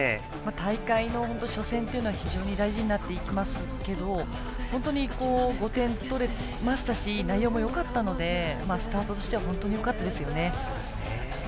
大会の初戦というのは非常に大事になっていきますが本当に、５点取れましたし内容もよかったのでスタートとしては本当によかったですよね。